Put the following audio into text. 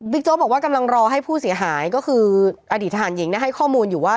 โจ๊กบอกว่ากำลังรอให้ผู้เสียหายก็คืออดีตทหารหญิงให้ข้อมูลอยู่ว่า